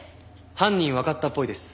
犯人わかったっぽいです